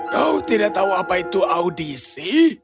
kau tidak tahu apa itu audisi